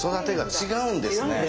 違うんですね。